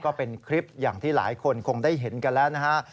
ก็เป็นคลิปอย่างที่หลายคนคงได้เห็นกันแล้วนะฮะ